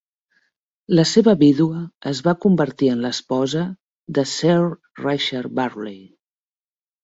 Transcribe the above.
La seva vídua es va convertir en l'esposa de Sir Richard Burley.